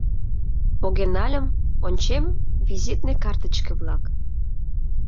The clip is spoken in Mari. Поген нальым, ончем — визитный картычке-влак.